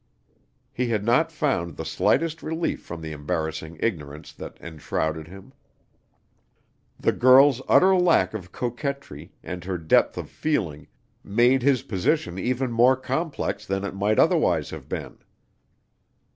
He had not found the slightest relief from the embarrassing ignorance that enshrouded him. The girl's utter lack of coquetry, and her depth of feeling, made his position even more complex than it might otherwise have been.